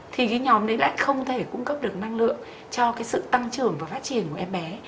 thì cái nhóm đấy lại không thể cung cấp được năng lượng cho cái sự tăng trưởng và phát triển của em bé